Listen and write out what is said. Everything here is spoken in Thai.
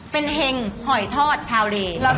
เป็นแห่งเหงหอยทอดชาวเล